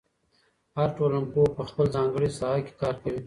هر ټولنپوه په خپله ځانګړې ساحه کې کار کوي.